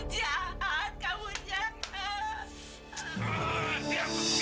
kalau tahu akhirnya begini